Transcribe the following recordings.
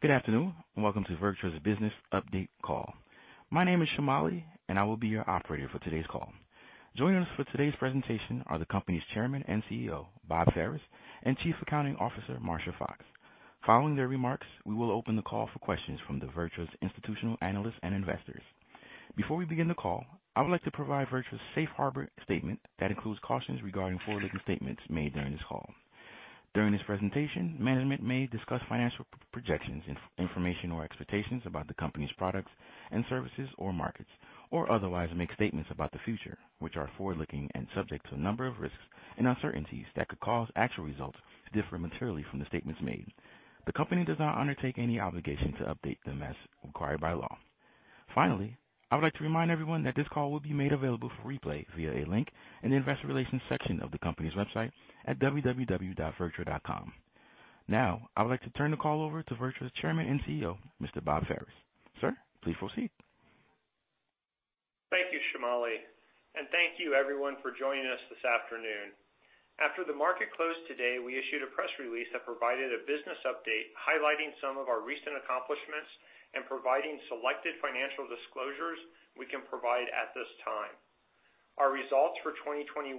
Good afternoon, and welcome to VirTra's business update call. My name is Shamali, and I will be your operator for today's call. Joining us for today's presentation are the company's Chairman and CEO, Bob Ferris, and Chief Accounting Officer, Marsha Foxx. Following their remarks, we will open the call for questions from VirTra's institutional analysts and investors. Before we begin the call, I would like to provide VirTra's safe harbor statement that includes cautions regarding forward-looking statements made during this call. During this presentation, management may discuss financial projections, information, or expectations about the company's products and services or markets, or otherwise make statements about the future, which are forward-looking and subject to a number of risks and uncertainties that could cause actual results to differ materially from the statements made. The company does not undertake any obligation to update them as required by law. Finally, I would like to remind everyone that this call will be made available for replay via a link in the investor relations section of the company's website at www.virtra.com. Now, I would like to turn the call over to VirTra's Chairman and CEO, Mr. Bob Ferris. Sir, please proceed. Thank you, Shamali. Thank you everyone for joining us this afternoon. After the market closed today, we issued a press release that provided a business update highlighting some of our recent accomplishments and providing selected financial disclosures we can provide at this time. Our results for 2021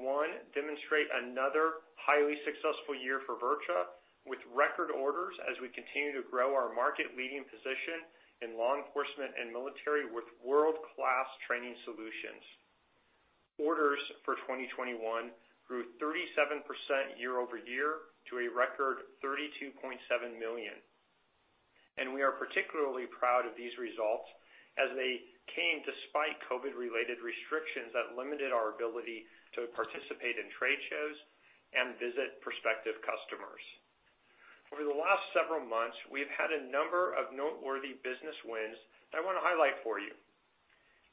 demonstrate another highly successful year for VirTra, with record orders as we continue to grow our market leading position in law enforcement and military with world-class training solutions. Orders for 2021 grew 37% year-over-year to a record $32.7 million. We are particularly proud of these results as they came despite COVID-related restrictions that limited our ability to participate in trade shows and visit prospective customers. Over the last several months, we've had a number of noteworthy business wins that I wanna highlight for you.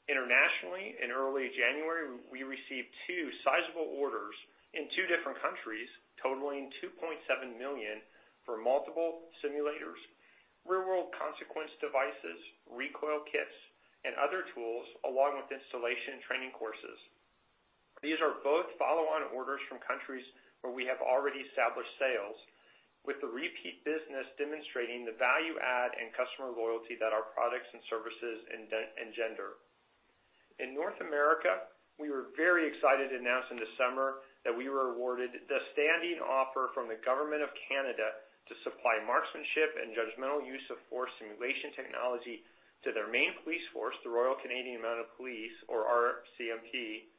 Internationally, in early January, we received two sizable orders in two different countries totaling $2.7 million for multiple simulators, real world consequence devices, recoil kits, and other tools along with installation and training courses. These are both follow-on orders from countries where we have already established sales with the repeat business demonstrating the value add and customer loyalty that our products and services engender. In North America, we were very excited to announce in the summer that we were awarded the standing offer from the government of Canada to supply marksmanship and judgmental use of force simulation technology to their main police force, the Royal Canadian Mounted Police, or RCMP,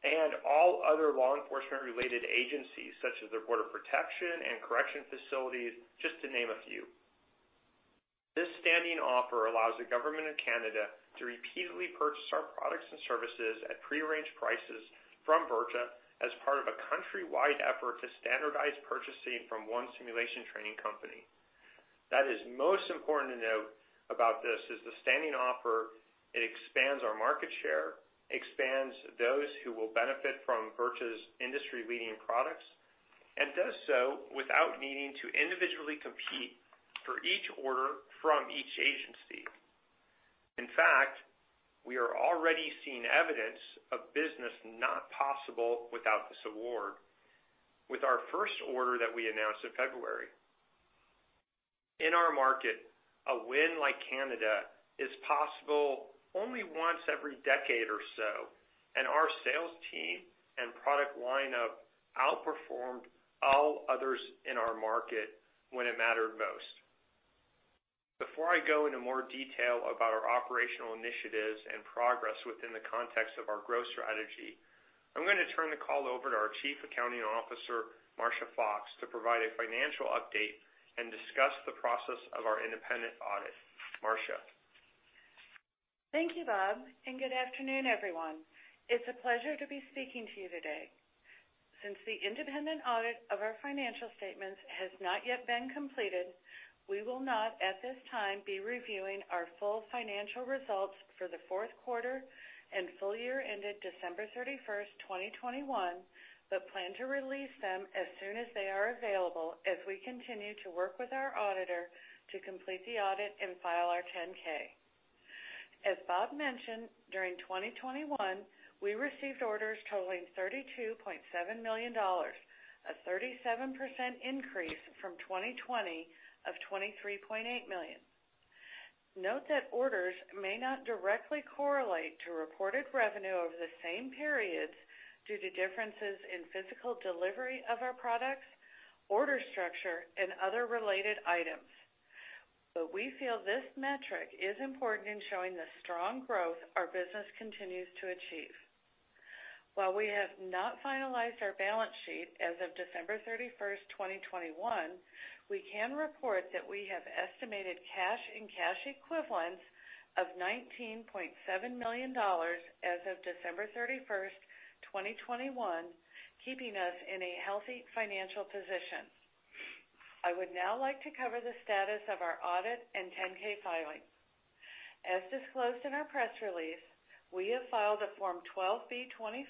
and all other law enforcement related agencies such as their border protection and correction facilities, just to name a few. This standing offer allows the government of Canada to repeatedly purchase our products and services at prearranged prices from VirTra as part of a country-wide effort to standardize purchasing from one simulation training company. The most important to note about this is the standing offer. It expands our market share, expands those who will benefit from VirTra's industry-leading products, and does so without needing to individually compete for each order from each agency. In fact, we are already seeing evidence of business not possible without this award with our first order that we announced in February. In our market, a win like Canada is possible only once every decade or so, and our sales team and product line have outperformed all others in our market when it mattered most. Before I go into more detail about our operational initiatives and progress within the context of our growth strategy, I'm gonna turn the call over to our Chief Accounting Officer, Marsha Foxx, to provide a financial update and discuss the process of our independent audit. Marsha. Thank you, Bob, and good afternoon, everyone. It's a pleasure to be speaking to you today. Since the independent audit of our financial statements has not yet been completed, we will not, at this time, be reviewing our full financial results for the fourth quarter and full year ended December 31st, 2021, but plan to release them as soon as they are available as we continue to work with our auditor to complete the audit and file our 10-K. As Bob mentioned, during 2021, we received orders totaling $32.7 million, a 37% increase from 2020 of $23.8 million. Note that orders may not directly correlate to reported revenue over the same periods due to differences in physical delivery of our products, order structure, and other related items. We feel this metric is important in showing the strong growth our business continues to achieve. While we have not finalized our balance sheet as of December 31st, 2021, we can report that we have estimated cash and cash equivalents of $19.7 million as of December 31st, 2021, keeping us in a healthy financial position. I would now like to cover the status of our audit and 10-K filing. As disclosed in our press release, we have filed a Form 12b-25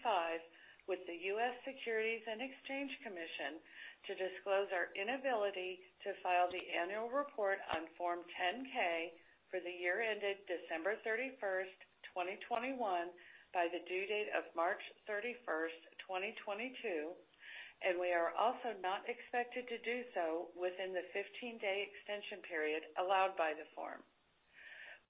with the US Securities and Exchange Commission to disclose our inability to file the annual report on Form 10-K for the year ended December 31st, 2021, by the due date of March 31st, 2022, and we are also not expected to do so within the 15-day extension period allowed by the form.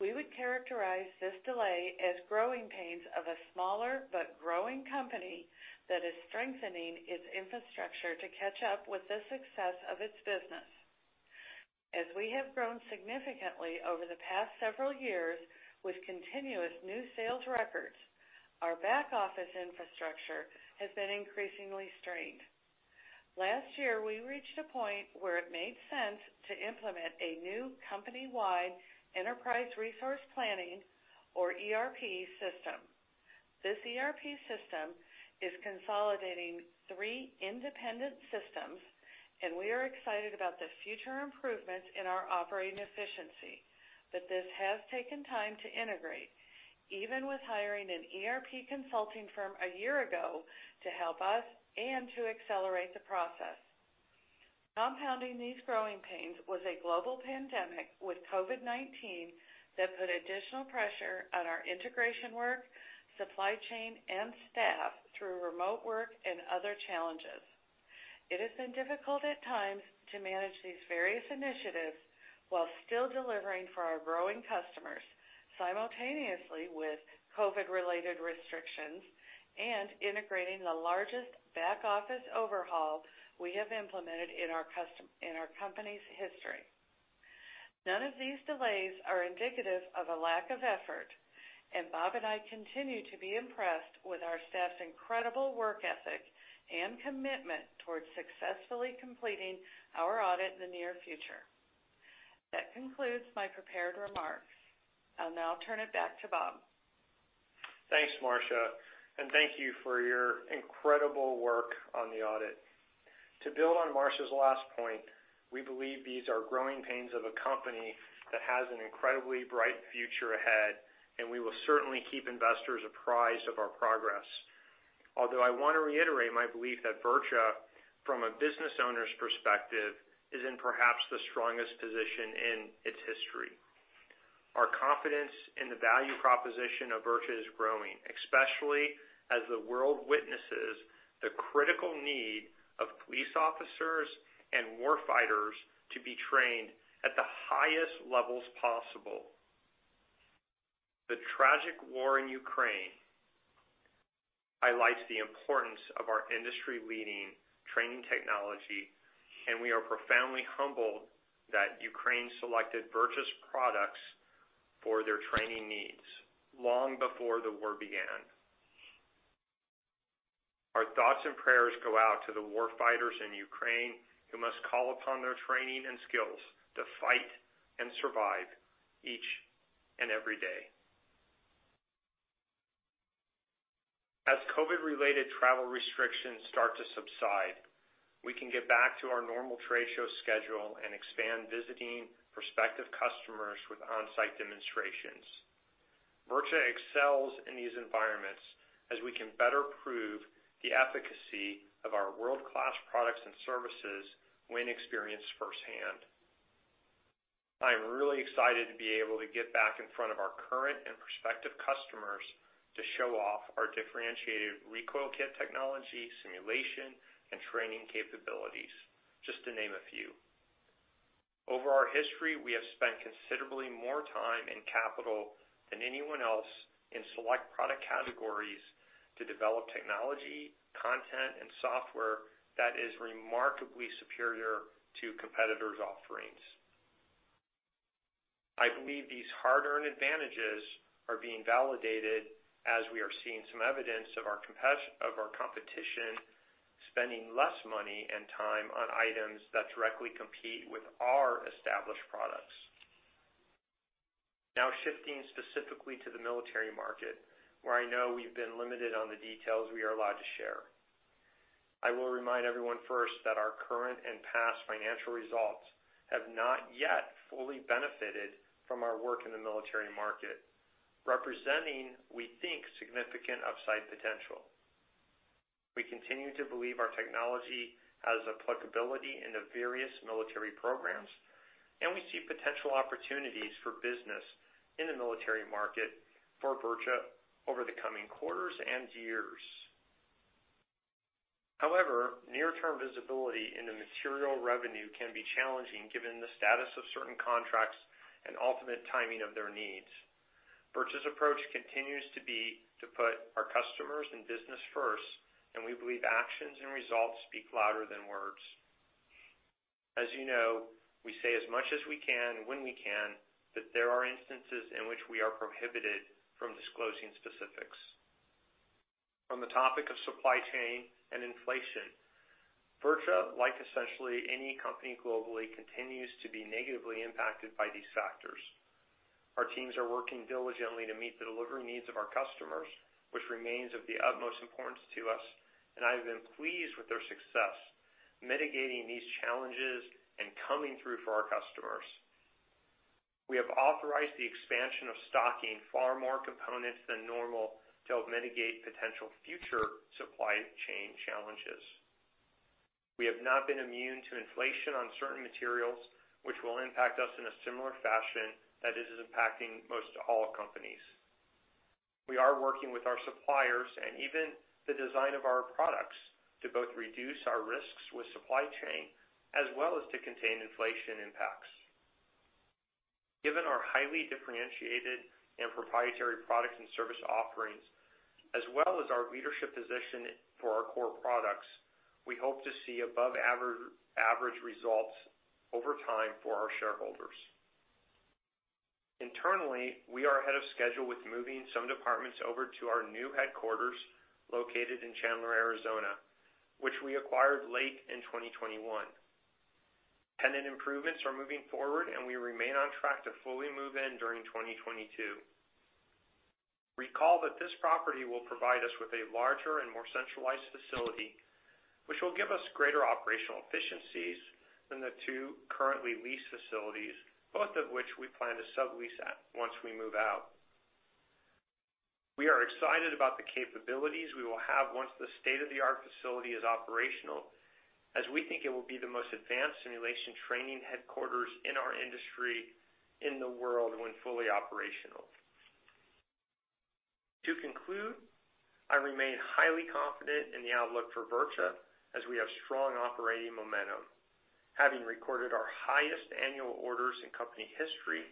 We would characterize this delay as growing pains of a smaller but growing company that is strengthening its infrastructure to catch up with the success of its business. As we have grown significantly over the past several years with continuous new sales records, our back-office infrastructure has been increasingly strained. Last year, we reached a point where it made sense to implement a new company-wide enterprise resource planning, or ERP, system. This ERP system is consolidating three independent systems, and we are excited about the future improvements in our operating efficiency. This has taken time to integrate, even with hiring an ERP consulting firm a year ago to help us and to accelerate the process. Compounding these growing pains was a global pandemic with COVID-19 that put additional pressure on our integration work, supply chain, and staff through remote work and other challenges. It has been difficult at times to manage these various initiatives while still delivering for our growing customers simultaneously with COVID-related restrictions and integrating the largest back-office overhaul we have implemented in our company's history. None of these delays are indicative of a lack of effort, and Bob and I continue to be impressed with our staff's incredible work ethic and commitment towards successfully completing our audit in the near future. That concludes my prepared remarks. I'll now turn it back to Bob. Thanks, Marsha, and thank you for your incredible work on the audit. To build on Marsha's last point, we believe these are growing pains of a company that has an incredibly bright future ahead, and we will certainly keep investors apprised of our progress. Although I wanna reiterate my belief that VirTra, from a business owner's perspective, is in perhaps the strongest position in its history. Our confidence in the value proposition of VirTra is growing, especially as the world witnesses the critical need of police officers and warfighters to be trained at the highest levels possible. The tragic war in Ukraine highlights the importance of our industry-leading training technology, and we are profoundly humbled that Ukraine selected VirTra's products for their training needs long before the war began. Our thoughts and prayers go out to the warfighters in Ukraine who must call upon their training and skills to fight and survive each and every day. As COVID-related travel restrictions start to subside, we can get back to our normal trade show schedule and expand visiting prospective customers with on-site demonstrations. VirTra excels in these environments as we can better prove the efficacy of our world-class products and services when experienced firsthand. I am really excited to be able to get back in front of our current and prospective customers to show off our differentiated recoil kit technology, simulation, and training capabilities, just to name a few. Over our history, we have spent considerably more time and capital than anyone else in select product categories to develop technology, content, and software that is remarkably superior to competitors' offerings. I believe these hard-earned advantages are being validated as we are seeing some evidence of our competition spending less money and time on items that directly compete with our established products. Now shifting specifically to the military market, where I know we've been limited on the details we are allowed to share. I will remind everyone first that our current and past financial results have not yet fully benefited from our work in the military market, representing, we think, significant upside potential. We continue to believe our technology has applicability into various military programs, and we see potential opportunities for business in the military market for VirTra over the coming quarters and years. However, near-term visibility into material revenue can be challenging given the status of certain contracts and ultimate timing of their needs. VirTra's approach continues to be to put our customers and business first, and we believe actions and results speak louder than words. As you know, we say as much as we can when we can, but there are instances in which we are prohibited from disclosing specifics. On the topic of supply chain and inflation, VirTra, like essentially any company globally, continues to be negatively impacted by these factors. Our teams are working diligently to meet the delivery needs of our customers, which remains of the utmost importance to us, and I have been pleased with their success mitigating these challenges and coming through for our customers. We have authorized the expansion of stocking far more components than normal to help mitigate potential future supply chain challenges. We have not been immune to inflation on certain materials, which will impact us in a similar fashion that it is impacting most all companies. We are working with our suppliers and even the design of our products to both reduce our risks with supply chain as well as to contain inflation impacts. Given our highly differentiated and proprietary products and service offerings, as well as our leadership position for our core products, we hope to see above average results over time for our shareholders. Internally, we are ahead of schedule with moving some departments over to our new headquarters located in Chandler, Arizona, which we acquired late in 2021. Tenant improvements are moving forward, and we remain on track to fully move in during 2022. Recall that this property will provide us with a larger and more centralized facility, which will give us greater operational efficiencies than the two currently leased facilities, both of which we plan to sublease once we move out. We are excited about the capabilities we will have once the state-of-the-art facility is operational, as we think it will be the most advanced simulation training headquarters in our industry in the world when fully operational. To conclude, I remain highly confident in the outlook for VirTra as we have strong operating momentum, having recorded our highest annual orders in company history.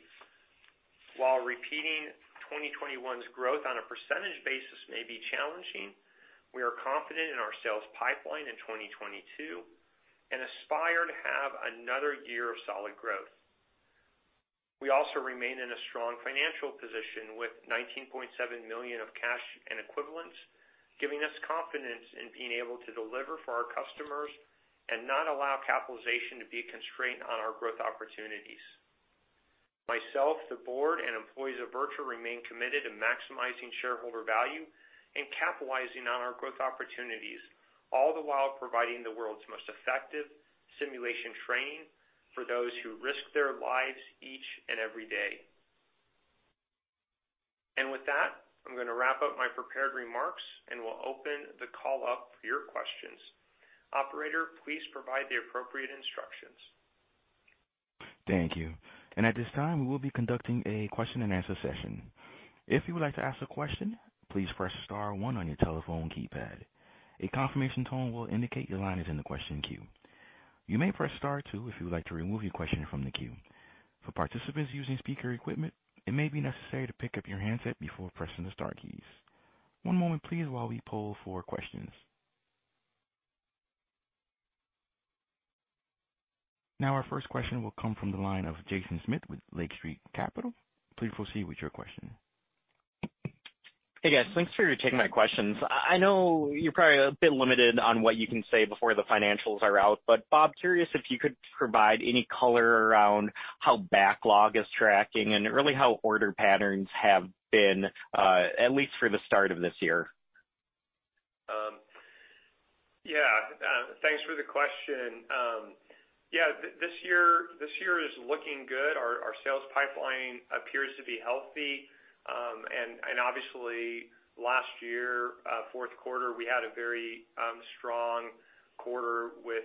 While repeating 2021's growth on a percentage basis may be challenging, we are confident in our sales pipeline in 2022 and aspire to have another year of solid growth. We also remain in a strong financial position with $19.7 million of cash and equivalents, giving us confidence in being able to deliver for our customers and not allow capitalization to be a constraint on our growth opportunities. Myself, the board, and employees of VirTra remain committed to maximizing shareholder value and capitalizing on our growth opportunities, all the while providing the world's most effective simulation training for those who risk their lives each and every day. With that, I'm gonna wrap up my prepared remarks, and we'll open the call up for your questions. Operator, please provide the appropriate instructions. Thank you. At this time, we will be conducting a question-and-answer session. If you would like to ask a question, please press star one on your telephone keypad. A confirmation tone will indicate your line is in the question queue. You may press star two if you would like to remove your question from the queue. For participants using speaker equipment, it may be necessary to pick up your handset before pressing the star keys. One moment please while we poll for questions. Now our first question will come from the line of Jaeson Schmidt with Lake Street Capital Markets. Please proceed with your question. Hey, guys. Thanks for taking my questions. I know you're probably a bit limited on what you can say before the financials are out, but Bob, curious if you could provide any color around how backlog is tracking and really how order patterns have been, at least for the start of this year? Yeah, thanks for the question. This year is looking good. Our sales pipeline appears to be healthy. Obviously last year, fourth quarter, we had a very strong quarter with,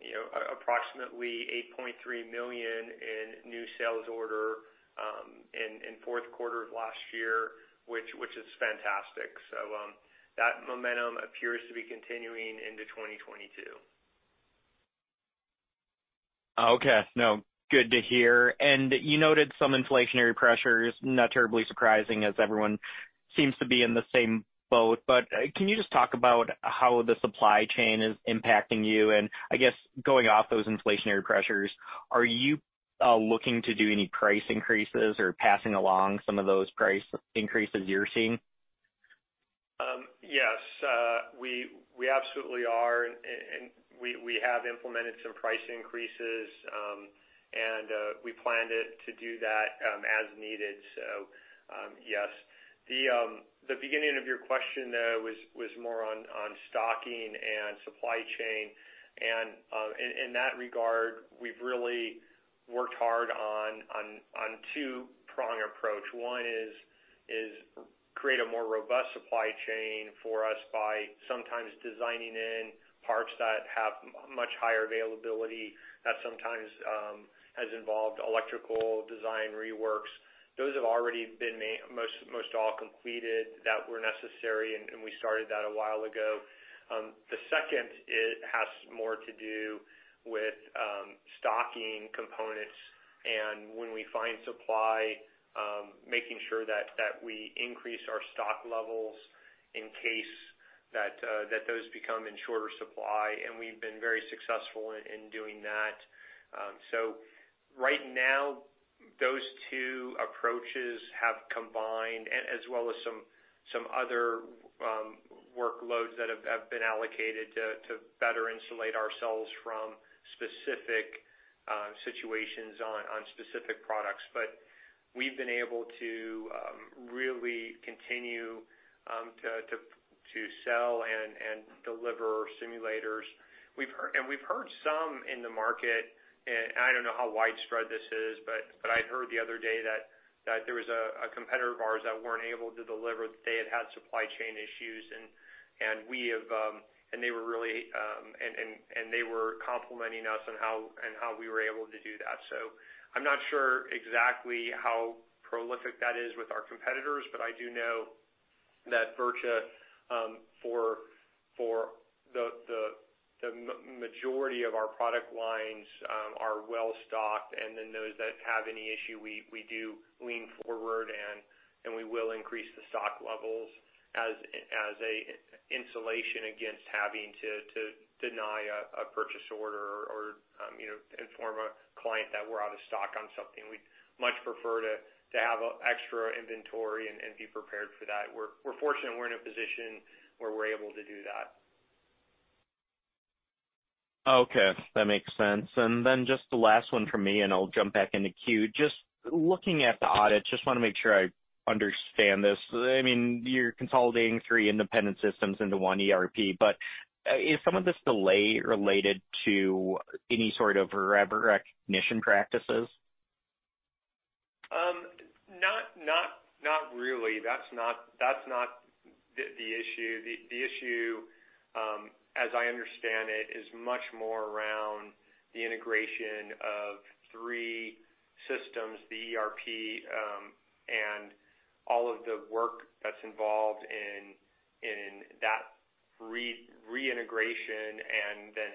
you know, approximately $8.3 million in new sales order in fourth quarter of last year, which is fantastic. That momentum appears to be continuing into 2022. Okay. No, good to hear. You noted some inflationary pressures, not terribly surprising as everyone seems to be in the same boat. But, can you just talk about how the supply chain is impacting you? I guess going off those inflationary pressures, are you looking to do any price increases or passing along some of those price increases you're seeing? Yes, we absolutely are. We have implemented some price increases, and we planned to do that as needed. Yes. The beginning of your question, though, was more on stocking and supply chain, and in that regard, we've really worked hard on a two-prong approach. One is to create a more robust supply chain for us by sometimes designing in parts that have much higher availability. That sometimes has involved electrical design reworks. Those have already been most all completed that were necessary, and we started that a while ago. The second, it has more to do with stocking components and when we find supply, making sure that we increase our stock levels in case that those become in shorter supply, and we've been very successful in doing that. Right now, those two approaches have combined as well as some other workloads that have been allocated to better insulate ourselves from specific situations on specific products. We've been able to really continue to sell and deliver simulators. We've heard some in the market, and I don't know how widespread this is, but I'd heard the other day that there was a competitor of ours that weren't able to deliver. They had supply chain issues, and they were complimenting us on how we were able to do that. I'm not sure exactly how prolific that is with our competitors, but I do know that VirTra, for the majority of our product lines, are well-stocked, and then those that have any issue, we do lean forward and we will increase the stock levels as an insurance against having to deny a purchase order or, you know, inform a client that we're out of stock on something. We'd much prefer to have extra inventory and be prepared for that. We're fortunate we're in a position where we're able to do that. Okay. That makes sense. Just the last one from me, and I'll jump back in the queue. Just looking at the audit, just wanna make sure I understand this. I mean, you're consolidating three independent systems into one ERP, but is some of this delay related to any sort of revenue recognition practices? Not really. That's not the issue. The issue, as I understand it, is much more around the integration of three systems, the ERP, and all of the work that's involved in that reintegration and then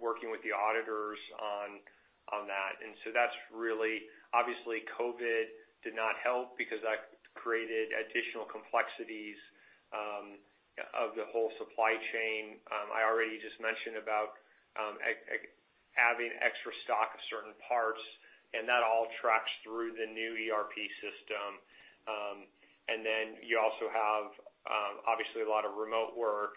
working with the auditors on that. That's really. Obviously, COVID did not help because that created additional complexities of the whole supply chain. I already just mentioned about having extra stock of certain parts, and that all tracks through the new ERP system. Then you also have obviously a lot of remote work.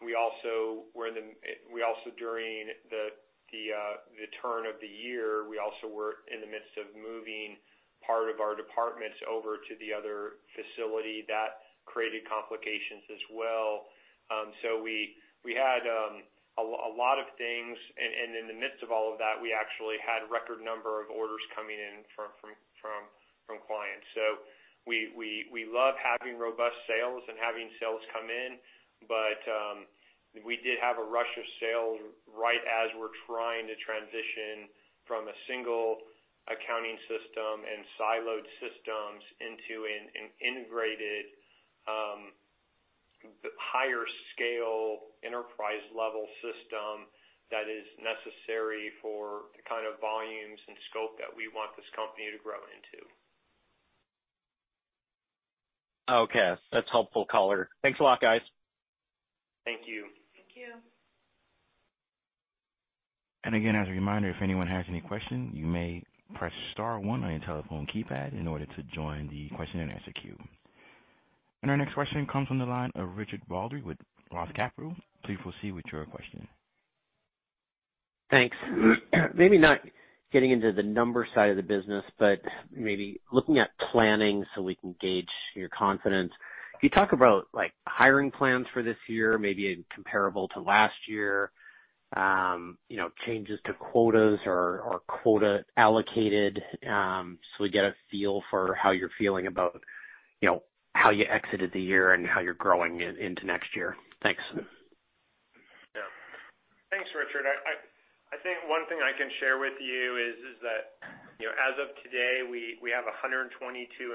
We also were in the midst of moving part of our departments over to the other facility during the turn of the year. That created complications as well. We had a lot of things. In the midst of all of that, we actually had record number of orders coming in from clients. We love having robust sales and having sales come in, but we did have a rush of sales right as we're trying to transition from a single accounting system and siloed systems into an integrated higher scale enterprise level system that is necessary for the kind of volumes and scope that we want this company to grow into. Okay. That's helpful color. Thanks a lot, guys. Thank you. Thank you. Again, as a reminder, if anyone has any questions, you may press star one on your telephone keypad in order to join the question-and-answer queue. Our next question comes from the line of Richard Baldry with Roth Capital. Please proceed with your question. Thanks. Maybe not getting into the numbers side of the business, but maybe looking at planning so we can gauge your confidence. Can you talk about, like, hiring plans for this year, maybe comparable to last year, you know, changes to quotas or quota allocated, so we get a feel for how you're feeling about, you know, how you exited the year and how you're growing into next year? Thanks. Yeah. Thanks, Richard. I think one thing I can share with you is that, you know, as of today, we have 122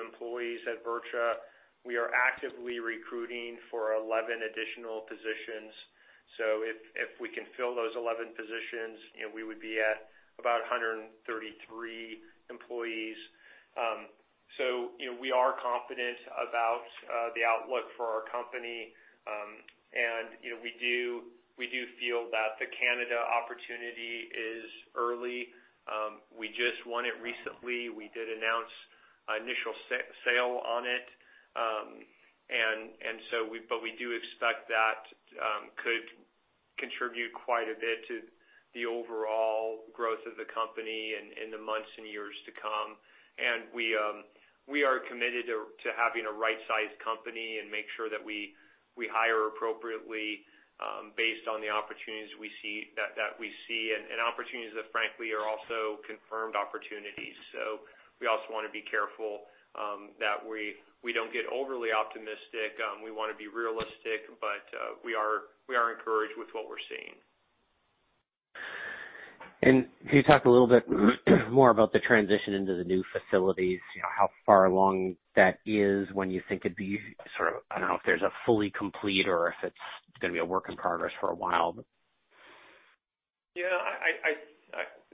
employees at VirTra. We are actively recruiting for 11 additional positions. If we can fill those 11 positions, you know, we would be at about 133 employees. You know, we are confident about the outlook for our company. You know, we do feel that the Canada opportunity is early. We just won it recently. We did announce initial sale on it. But we do expect that could contribute quite a bit to the overall growth of the company in the months and years to come. We are committed to having a right-sized company and make sure that we hire appropriately based on the opportunities we see and opportunities that frankly are also confirmed opportunities. We wanna be careful that we don't get overly optimistic. We wanna be realistic, but we are encouraged with what we're seeing. Can you talk a little bit more about the transition into the new facilities, you know, how far along that is, when you think it'd be sort of I don't know if there's a fully complete or if it's gonna be a work in progress for a while?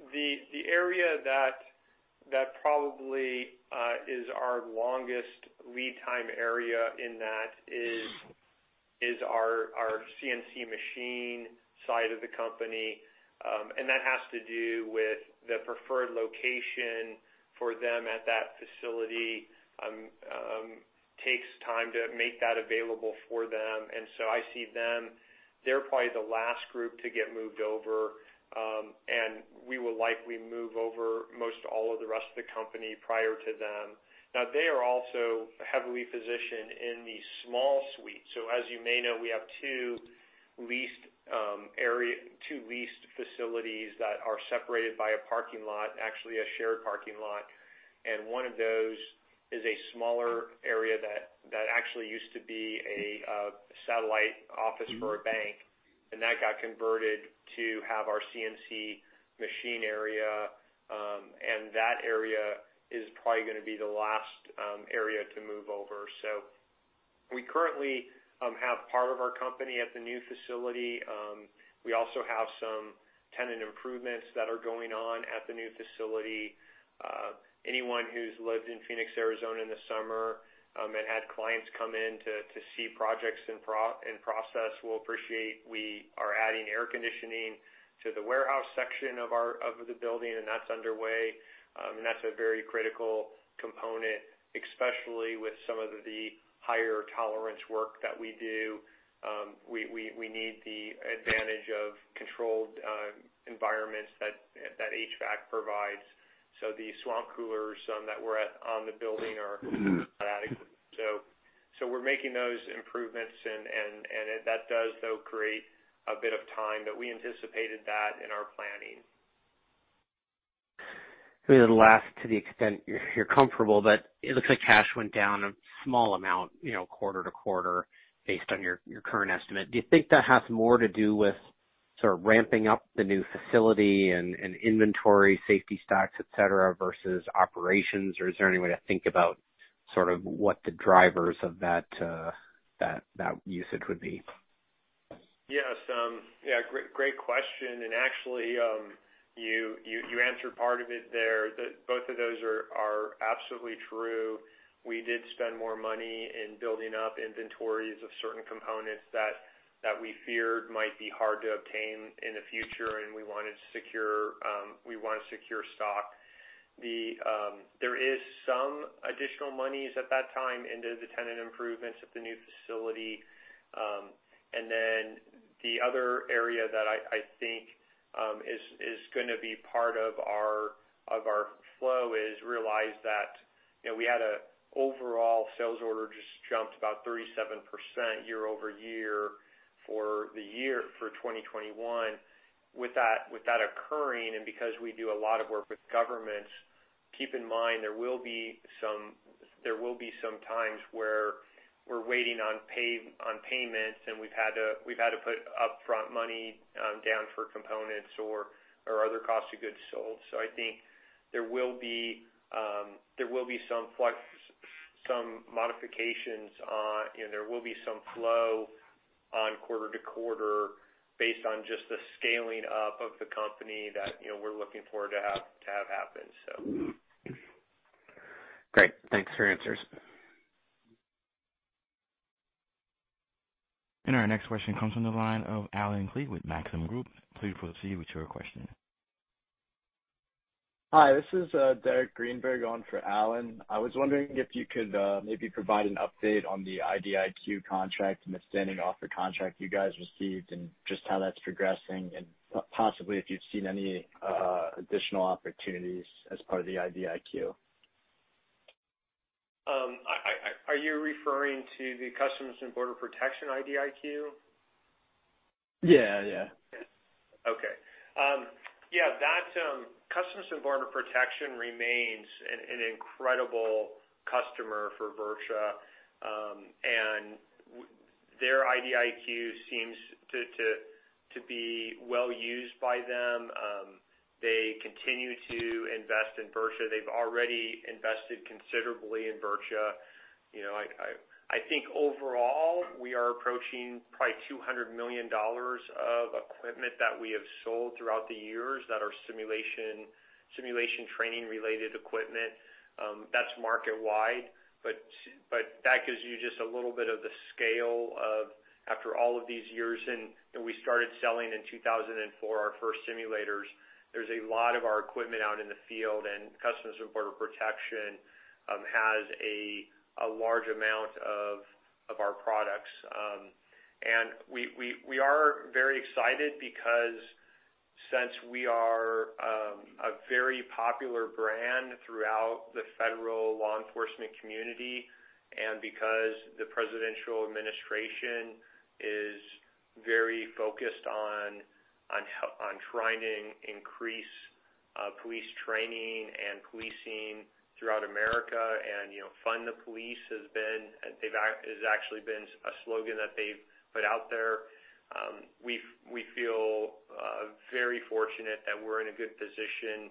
The area that probably is our longest lead time area in that is our CNC machine side of the company, and that has to do with the preferred location for them at that facility takes time to make that available for them. I see them, they're probably the last group to get moved over, and we will likely move over most all of the rest of the company prior to them. Now, they are also heavily positioned in the small suite. As you may know, we have two leased facilities that are separated by a parking lot, actually a shared parking lot, and one of those is a smaller area that actually used to be a satellite office for a bank. That got converted to have our CNC machine area, and that area is probably gonna be the last area to move over. We currently have part of our company at the new facility. We also have some tenant improvements that are going on at the new facility. Anyone who's lived in Phoenix, Arizona in the summer and had clients come in to see projects in process will appreciate, we are adding air conditioning to the warehouse section of our building, and that's underway. That's a very critical component, especially with some of the higher tolerance work that we do. We need the advantage of controlled environments that HVAC provides. The swamp coolers that were on the building are not adequate. We're making those improvements and that does, though, create a bit of time, but we anticipated that in our planning. Maybe the last to the extent you're comfortable, but it looks like cash went down a small amount, you know, quarter-over-quarter based on your current estimate. Do you think that has more to do with sort of ramping up the new facility and inventory, safety stocks, et cetera, versus operations? Or is there any way to think about sort of what the drivers of that usage would be? Yes. Yeah, great question, and actually, you answered part of it there. Both of those are absolutely true. We did spend more money in building up inventories of certain components that we feared might be hard to obtain in the future, and we wanted to secure, we want to secure stock. There is some additional monies at that time into the tenant improvements at the new facility. The other area that I think is gonna be part of our flow is realize that, you know, we had an overall sales order just jumped about 37% year-over-year for the year for 2021. With that occurring and because we do a lot of work with governments, keep in mind there will be some times where we're waiting on payments, and we've had to put upfront money down for components or other cost of goods sold. I think there will be some modifications on, you know, there will be some flow on quarter to quarter based on just the scaling up of the company that, you know, we're looking forward to have happen. Great. Thanks for your answers. Our next question comes from the line of Allen Klee with Maxim Group. Please proceed with your question. Hi, this is Derek Greenberg on for Allen Klee. I was wondering if you could maybe provide an update on the IDIQ contract and the standing offer contract you guys received, and just how that's progressing, and possibly if you've seen any additional opportunities as part of the IDIQ. Are you referring to the Customs and Border Protection IDIQ? Yeah, yeah. Okay. Yeah, that's Customs and Border Protection remains an incredible customer for VirTra. Their IDIQ seems to be well used by them. They continue to invest in VirTra. They've already invested considerably in VirTra. I think overall we are approaching probably $200 million of equipment that we have sold throughout the years that are simulation training related equipment, that's market wide. That gives you just a little bit of the scale after all of these years, and we started selling in 2004 our first simulators. There's a lot of our equipment out in the field, and Customs and Border Protection has a large amount of our products. We are very excited because we are a very popular brand throughout the federal law enforcement community, and because the presidential administration is very focused on trying to increase police training and policing throughout America, and, you know, Defund the Police has actually been a slogan that they've put out there. We feel very fortunate that we're in a good position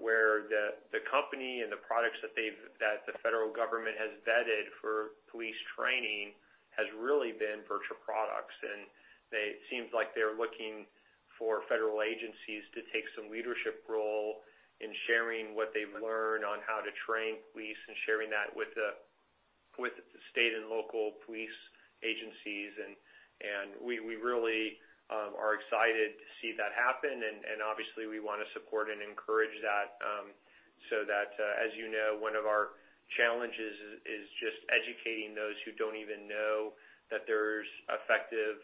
where the company and the products that the federal government has vetted for police training has really been VirTra products. It seems like they're looking for federal agencies to take some leadership role in sharing what they've learned on how to train police and sharing that with the state and local police agencies. We really are excited to see that happen and obviously we wanna support and encourage that, so that, as you know, one of our challenges is just educating those who don't even know that there's effective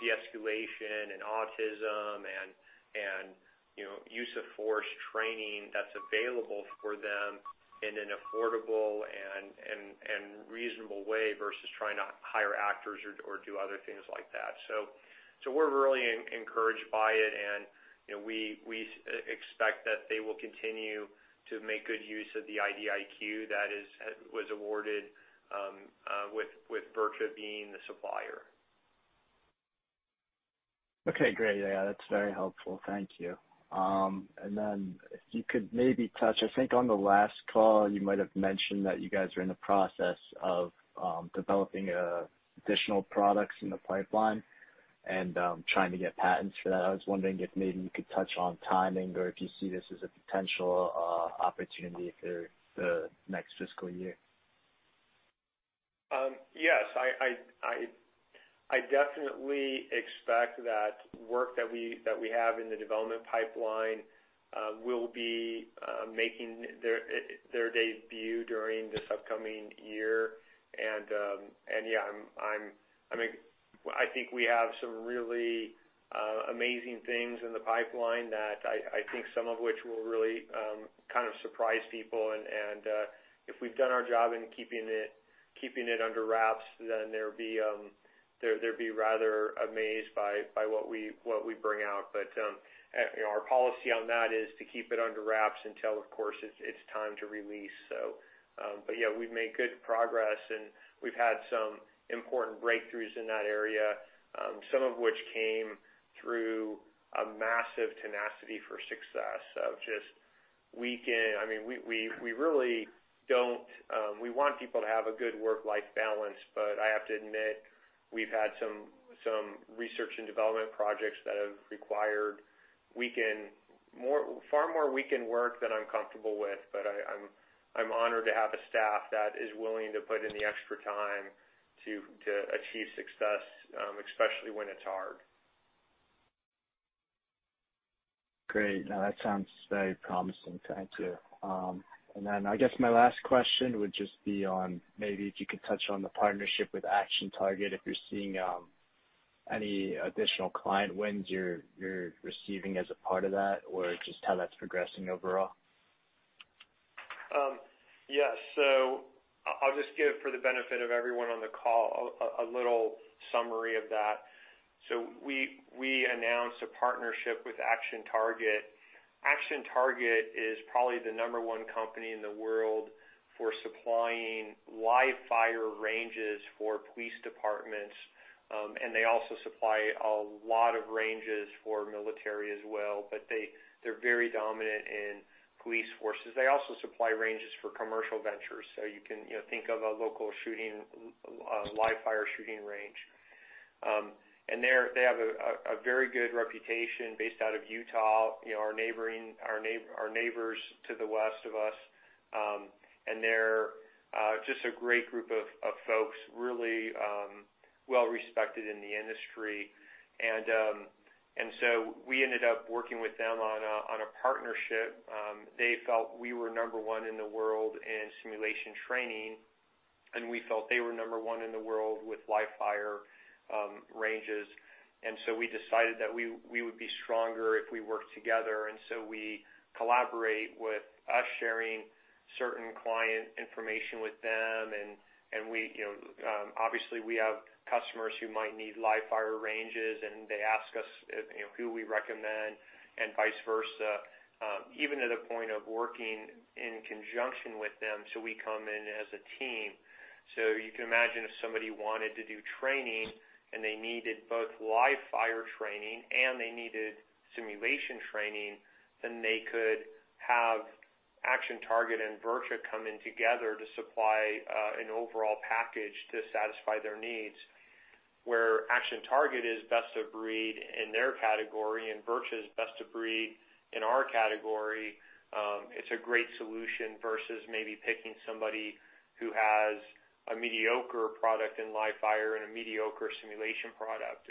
de-escalation in autism and, you know, use of force training that's available for them in an affordable and reasonable way versus trying to hire actors or do other things like that. We're really encouraged by it and, you know, we expect that they will continue to make good use of the IDIQ that was awarded with VirTra being the supplier. Okay, great. Yeah, that's very helpful. Thank you. If you could maybe touch on, I think, on the last call you might have mentioned that you guys are in the process of developing additional products in the pipeline and trying to get patents for that. I was wondering if maybe you could touch on timing or if you see this as a potential opportunity for the next fiscal year. Yes, I definitely expect that work that we have in the development pipeline will be making their debut during this upcoming year. Yeah, I mean, I think we have some really amazing things in the pipeline that I think some of which will really kind of surprise people. If we've done our job in keeping it under wraps, then they'll be rather amazed by what we bring out. You know, our policy on that is to keep it under wraps until, of course, it's time to release. Yeah, we've made good progress, and we've had some important breakthroughs in that area, some of which came through a massive tenacity for success of just weekend. I mean, we really don't. We want people to have a good work-life balance, but I have to admit we've had some research and development projects that have required far more weekend work than I'm comfortable with. I'm honored to have a staff that is willing to put in the extra time to achieve success, especially when it's hard. Great. No, that sounds very promising. Thank you. I guess my last question would just be on maybe if you could touch on the partnership with Action Target, if you're seeing any additional client wins you're receiving as a part of that or just how that's progressing overall. Yes. I'll just give it for the benefit of everyone on the call a little summary of that. We announced a partnership with Action Target. Action Target is probably the No. 1 company in the world for supplying live-fire ranges for police departments. They also supply a lot of ranges for military as well, but they're very dominant in police forces. They also supply ranges for commercial ventures, so you can, you know, think of a local shooting live-fire shooting range. They have a very good reputation based out of Utah, you know, our neighbors to the west of us. They're just a great group of folks, really, well-respected in the industry. We ended up working with them on a partnership. They felt we were number one in the world in simulation training, and we felt they were number one in the world with live-fire ranges. We decided that we would be stronger if we worked together. We collaborate with us sharing certain client information with them. We, you know, obviously we have customers who might need live-fire ranges, and they ask us, you know, who we recommend and vice versa, even to the point of working in conjunction with them. We come in as a team. You can imagine if somebody wanted to do training and they needed both live-fire training and they needed simulation training, then they could have Action Target and VirTra come in together to supply an overall package to satisfy their needs. Where Action Target is best of breed in their category and VirTra is best of breed in our category, it's a great solution versus maybe picking somebody who has a mediocre product in live-fire and a mediocre simulation product.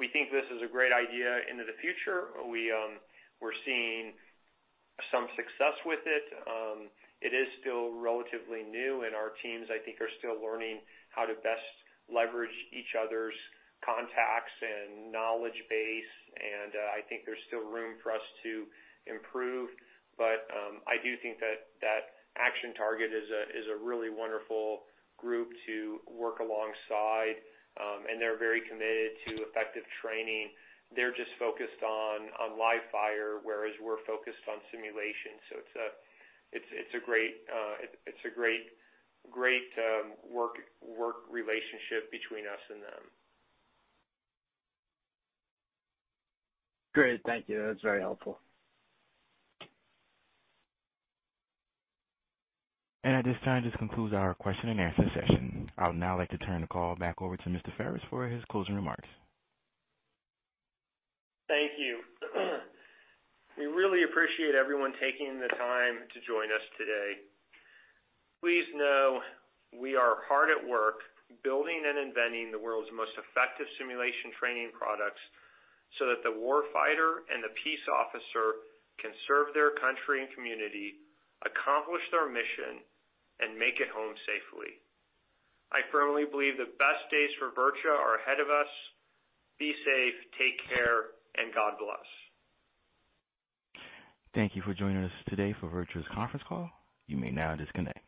We think this is a great idea into the future. We're seeing some success with it. It is still relatively new, and our teams, I think, are still learning how to best leverage each other's contacts and knowledge base. I think there's still room for us to improve. I do think that Action Target is a really wonderful group to work alongside. They're very committed to effective training. They're just focused on live-fire, whereas we're focused on simulation. It's a great work relationship between us and them. Great. Thank you. That's very helpful. At this time, this concludes our question and answer session. I would now like to turn the call back over to Mr. Ferris for his closing remarks. Thank you. We really appreciate everyone taking the time to join us today. Please know we are hard at work building and inventing the world's most effective simulation training products so that the war fighter and the peace officer can serve their country and community, accomplish their mission, and make it home safely. I firmly believe the best days for VirTra are ahead of us. Be safe, take care, and God bless. Thank you for joining us today for VirTra's conference call. You may now disconnect.